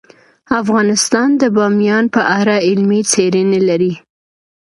افغانستان د بامیان په اړه علمي څېړنې لري.